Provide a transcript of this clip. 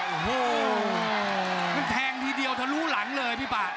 โอ้โหมันแทงทีเดียวทะลุหลังเลยพี่ป่า